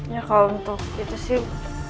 ya kalau untuk itu sih